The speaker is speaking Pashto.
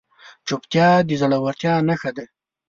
چوپتیا، د زړورتیا نښه ده.